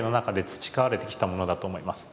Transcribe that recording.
培われてきたものだと思います。